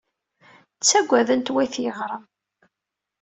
Ttaggaden-t wayt yiɣrem.